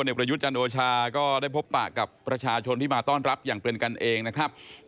ประยุทธ์จันโอชาก็ได้พบปะกับประชาชนที่มาต้อนรับอย่างเป็นกันเองนะครับ